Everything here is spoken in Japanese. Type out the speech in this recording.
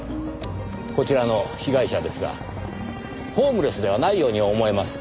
こちらの被害者ですがホームレスではないように思えます。